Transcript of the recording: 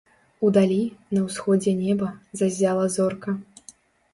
Удалі, на ўсходзе неба, заззяла зорка.